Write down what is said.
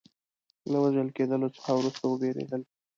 له وژل کېدلو څخه وروسته وبېرېدل.